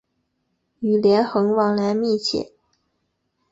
与连横往来密切。